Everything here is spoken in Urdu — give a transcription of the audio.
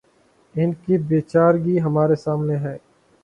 ان کی بے چارگی ہمارے سامنے ہے۔